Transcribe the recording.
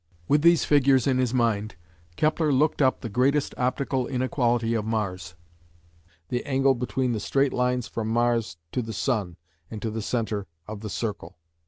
With these figures in his mind, Kepler looked up the greatest optical inequality of Mars, the angle between the straight lines from Mars to the Sun and to the centre of the circle.